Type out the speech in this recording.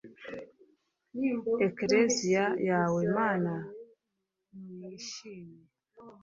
ekleziya yawe mana n'uyishime